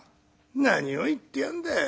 「何を言ってやんだ。